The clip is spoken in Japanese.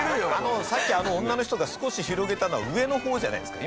さっきあの女の人が少し広げたのは上の方じゃないですか。